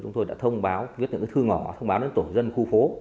chúng tôi đã thông báo viết những thư ngõ thông báo đến tổ dân khu phố